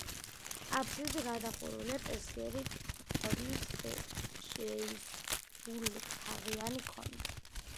აფსიდი გადახურულია წესიერი ფორმის, შეისრულთაღიანი კონქით.